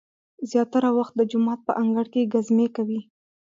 زیاتره وخت د جومات په انګړ کې ګزمې کوي.